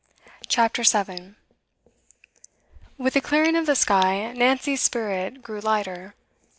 CHAPTER 7 With the clearing of the sky, Nancy's spirit grew lighter.